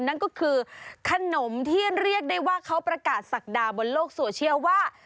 นั่นก็คือขนมที่เรียกได้ว่าเขาประกาศศักดาบนโลกโซเชียลว่า